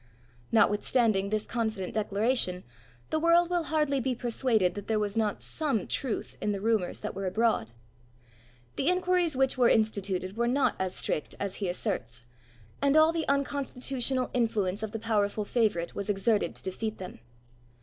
Notwithstanding this confident declaration, the world will hardly be persuaded that there was not some truth in the rumours that were abroad. The inquiries which were instituted were not strict, as he asserts, and all the unconstitutional influence of the powerful favourite was exerted to defeat them.